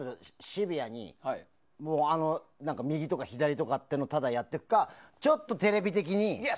シビアに、右とか左とかってのをただやってくかちょっとテレビ的にするか。